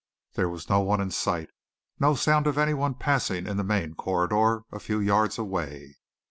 There was no one in sight, no sound of any one passing in the main corridor, a few yards away.